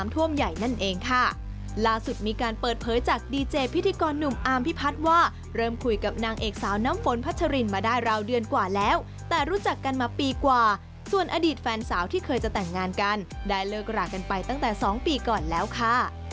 นั่นเองค่ะล่าสุดมีการเปิดเผยจากดีเจพิธีกรหนุ่มอาร์มพิพัฒน์ว่าเริ่มคุยกับนางเอกสาวน้ำฝนพัชรินมาได้ราวเดือนกว่าแล้วแต่รู้จักกันมาปีกว่าส่วนอดีตแฟนสาวที่เคยจะแต่งงานกันได้เลิกรากันไปตั้งแต่๒ปีก่อนแล้วค่ะ